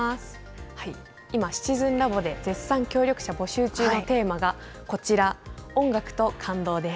今、シチズンラボで絶賛協力者募集中のテーマがこちら、音楽と感動です。